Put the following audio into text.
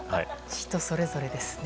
人ぞれぞれですね。